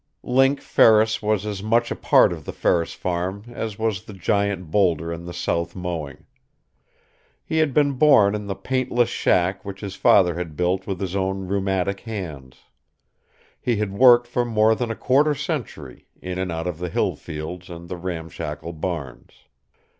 Link Ferris was as much a part of the Ferris farm as was the giant bowlder in the south mowing. He had been born in the paintless shack which his father had built with his own rheumatic hands. He had worked for more than a quarter century, in and out of the hill fields and the ramshackle barns.